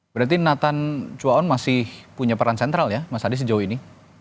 berarti nathan chuaon masih punya peran sentral ya mas adi sejauh ini